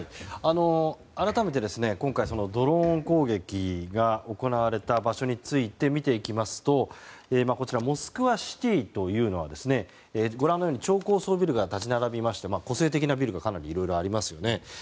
改めて今回ドローン攻撃が行われた場所について見ていきますとこちらモスクワシティは超高層ビルが立ち並び個性的なビルがかなりいろいろありますよね。